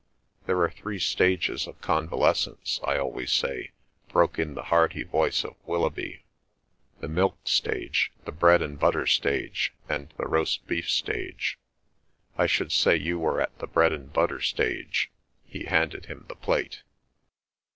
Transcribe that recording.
"There are three stages of convalescence, I always say," broke in the hearty voice of Willoughby. "The milk stage, the bread and butter stage, and the roast beef stage. I should say you were at the bread and butter stage." He handed him the plate.